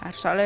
ya agak sedih